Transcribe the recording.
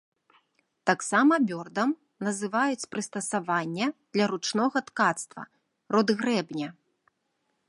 Таксама бёрдам называюць прыстасаванне для ручнога ткацтва, род грэбня.